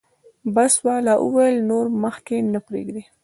بس والا وویل نور مخکې نه پرېږدي.